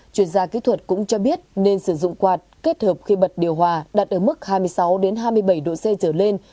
chuyên gia kỹ thuật cũng cho biết nên sử dụng quạt kết hợp khi bật điều hòa đặt ở mức hai mươi sáu hai mươi bảy độ c trở lên